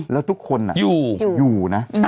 แล้วทุกคนอยู่นะ